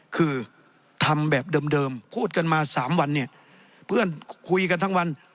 คือทำแบบเดิมพูดกันมา๓วันเนี่ยเพื่อนคุยกันทั้งวัน